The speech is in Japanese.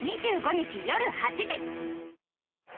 ２５日、夜８時。